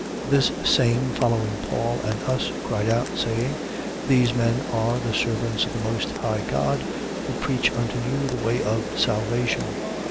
This same following Paul and us, cried out, saying: These men are the servants of the Most High God, who preach unto you the way of salvation.